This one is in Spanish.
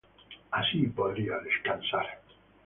Así podría descansar.